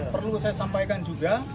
perlu saya sampaikan juga